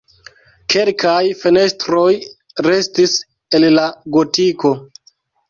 Kelkaj fenestroj restis el la gotiko.